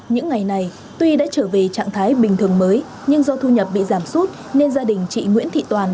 những ngày này tuy đã trở về trạng thái bình thường mới nhưng do thu nhập bị giảm sút nên gia đình chị nguyễn thị toàn